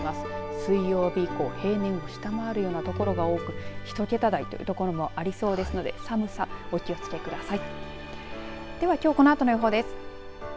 水曜日以降平年を下回るような所が多く１桁台という所もありそうですので寒さ、お気をつけください。